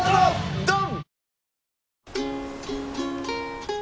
ドン！